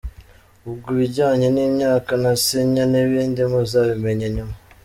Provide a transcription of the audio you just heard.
Ubwo ibijyanye n’imyaka nasinya n’ibindi muzabimenya nyuma.